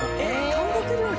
韓国料理。